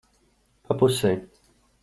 Pa pusei.